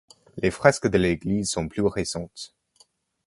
Les fresques de l'église sont plus récentes.